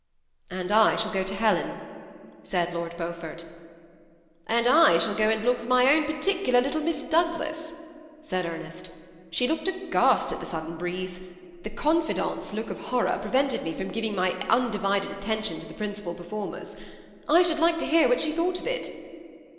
" And I shaU go to Helen," said Lord Beaufort. ^ And I shall gp and look for my own particular little Miss Douglas," said £me8t. "^ She looked aghast at the sadden breeze. The confidante's look of horror pre vented me from giving my undivided attention to the principal performers. I shall like to hear what she thought of it."